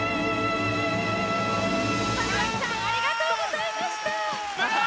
・ありがとうございましたブラヴァー！